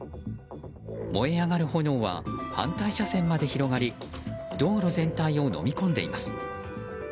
燃え上がる炎は反対車線まで広がり道路全体をのみ込んでいます。